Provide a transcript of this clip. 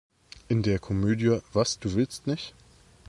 In der Komödie "Was, du willst nicht?